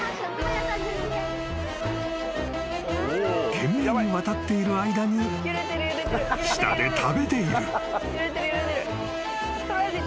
［懸命に渡っている間に下で食べている］